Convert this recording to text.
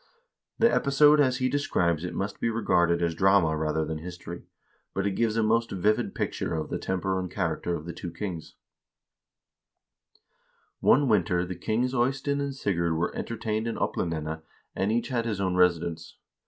The episode as he describes it must be regarded as drama rather than history, but it gives a most vivid picture of the temper and character of the two kings :" One winter the kings Eystein and Sigurd were entertained in Oplan dene, and each had his own residence.